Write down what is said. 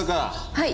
はい。